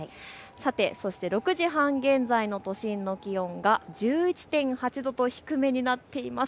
そして６時半現在の都心の気温が１１．８度と低めになっています。